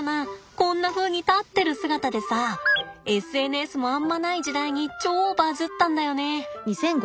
こんなふうに立ってる姿でさあＳＮＳもあんまない時代に超バズったんだよね。